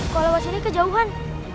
kalau lewat sini kejauhan